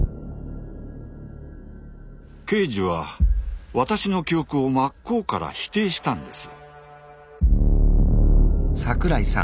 刑事は私の記憶を真っ向から否定したんです。